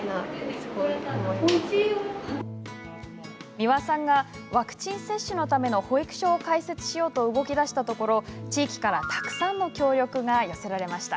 三輪さんがワクチン接種のための保育所を開設しようと動きだしたところ地域からたくさんの協力が寄せられました。